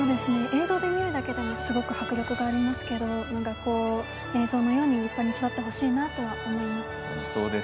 映像で見るだけでもすごく迫力がありますけど映像のように立派に育ってほしいなと思います。